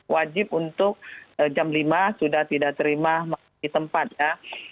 wajib untuk jam lima sudah tidak terima di tempat ya